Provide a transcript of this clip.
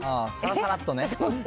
さらさらっとね。